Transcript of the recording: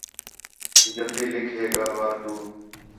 جلدی لِکھ ہے ڳالھ تُو